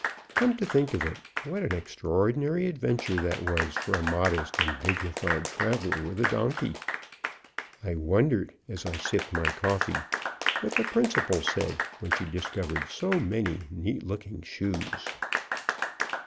Come to think of it, what an extr'ordinary adventure that was for a modest and dignified traveler with a donkey! I wondered, as I sipped my coffee, what the Principal said when she discovered so many neat looking shoes.